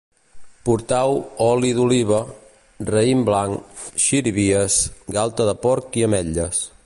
Portau oli d'oliva, raïm blanc, xirivies, galta de porc i ametlles